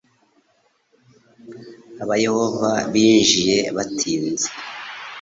Aba Yehova binjiye batinze